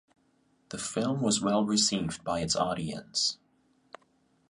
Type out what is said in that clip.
The film was well received by its audience.